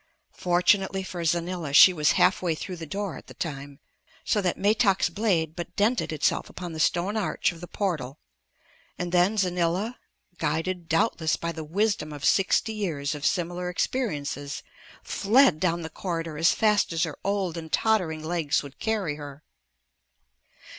Fortunately for Xanila she was halfway through the door at the time, so that Metak's blade but dented itself upon the stone arch of the portal, and then Xanila, guided doubtless by the wisdom of sixty years of similar experiences, fled down the corridor as fast as her old and tottering legs would carry her.